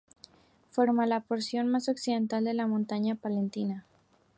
Forma la porción más occidental de la Montaña Palentina.